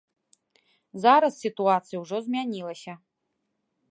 Зараз сітуацыя ўжо змянілася.